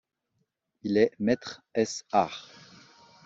Il est Maître-ès-arts.